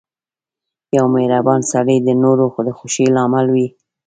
• یو مهربان سړی د نورو د خوښۍ لامل وي.